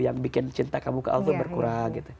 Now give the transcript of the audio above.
yang bikin cinta kamu ke allah tuh berkurang